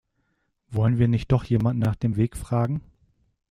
Wollen wir nicht doch jemanden nach dem Weg fragen?